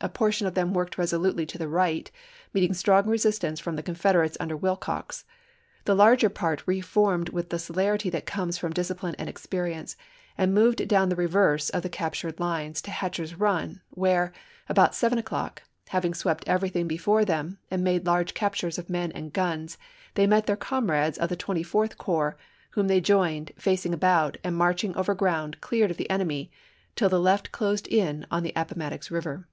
A portion of them worked resolutely to the right, meeting strong resistance from the Confederates under Wilcox ; the larger part re formed with the celerity that comes from discipline and experience, and moved down the reverse of the captured lines to Hatcher's Eun, where, about seven o'clock, having swept everything before them and made large captures of men and guns, they met their comrades of the Twenty fourth Corps, whom they joined, facing about and marching over ground cleared of the enemy till the left closed in on the Appomattox River.